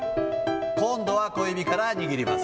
今度は小指から握ります。